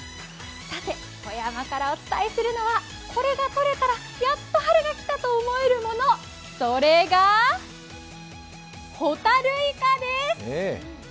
さて、外山からお伝えするのは、これがとれたらやっと春が来たと思えるもの、それが、ホタルイカです。